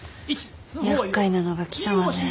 やっかいなのが来たわね。